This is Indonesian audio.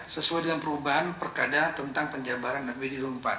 sesuai dengan perubahan perkada tentang penjahatan apbd dua ribu empat